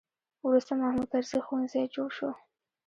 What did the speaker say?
وروسته محمود طرزي ښوونځی جوړ شو.